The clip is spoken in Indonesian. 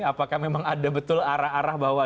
apakah memang ada betul arah arah bahwa